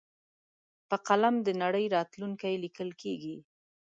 په قلم د نړۍ راتلونکی لیکل کېږي.